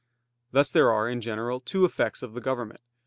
Thus there are, in general, two effects of the government.